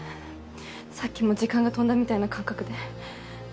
さっきも時間が飛んだみたいな感覚で。